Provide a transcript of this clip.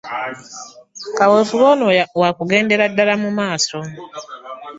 Kaweefube ono wa kugendera ddala mu maaso